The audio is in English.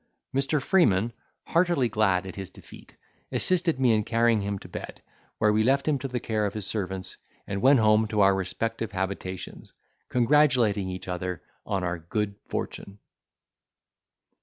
Mr. Freeman, heartily glad at his defeat, assisted me in carrying him to bed, where we left him to the care of his servants, and went home to our respective habitations, congratulating each other on our good fortune.